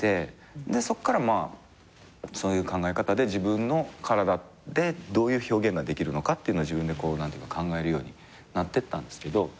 そっからそういう考え方で自分の体でどういう表現ができるのかっていうのを自分で考えるようになってったんですけど。